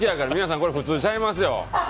これ普通ちゃいますよ。